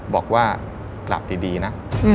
บอกว่าหลับดีนะ